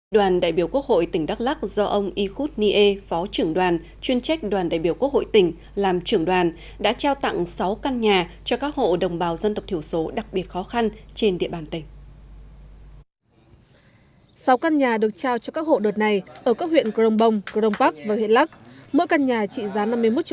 đoàn đại biểu quốc hội tỉnh đắk lắc do ông ikhut nie phó trưởng đoàn chuyên trách đoàn đại biểu quốc hội tỉnh làm trưởng đoàn đã trao tặng sáu căn nhà cho các hộ đồng bào dân tộc thiểu số đặc biệt khó khăn trên địa bàn tỉnh